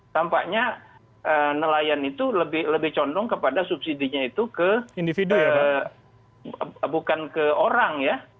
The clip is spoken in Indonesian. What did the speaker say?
tampaknya nelayan itu lebih condong kepada subsidinya itu ke bukan ke orang ya